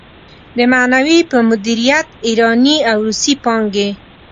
د معنوي په مديريت ايراني او روسي پانګې.